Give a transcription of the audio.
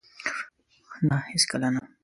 نه! هیڅکله نه